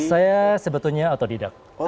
saya sebetulnya otodidak